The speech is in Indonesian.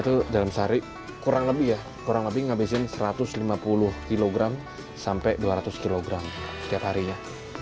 itu dalam sehari kurang lebih ya kurang lebih ngabisin satu ratus lima puluh kg sampai dua ratus kg setiap harinya